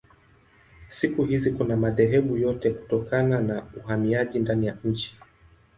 Siku hizi kuna madhehebu yote kutokana na uhamiaji ndani ya nchi.